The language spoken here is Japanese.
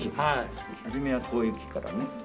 始めはこういう木からね。